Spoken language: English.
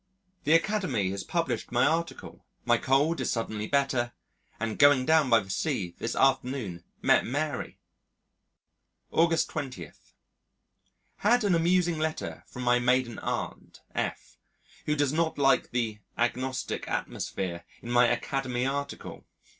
The Academy has published my article, my cold is suddenly better, and going down by the sea this afternoon met Mary ! August 20. Had an amusing letter from my maiden aunt F , who does not like "the agnostic atmosphere" in my Academy article.